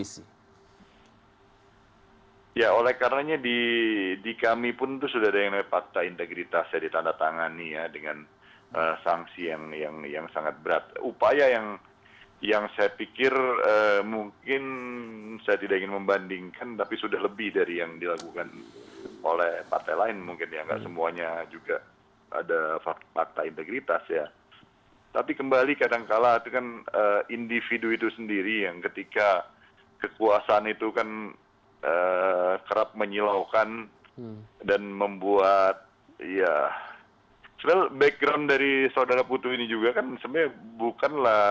saya baca di beberapa pemberitaan media menyebutkan pak putu diberhentikan atau nonaktifkan